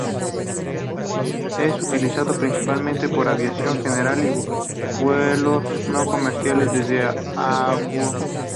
Es utilizado principalmente por aviación general y vuelos no comerciales desde Auburn.